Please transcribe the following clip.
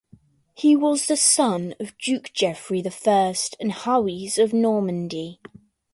He was the son of Duke Geoffrey I and Hawise of Normandy.